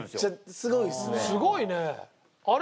すごいね。